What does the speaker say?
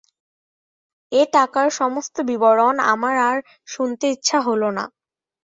এ টাকার সমস্ত বিবরণ আমার আর শুনতে ইচ্ছে হল না।